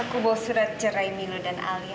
aku bawa surat cerai milo dan alia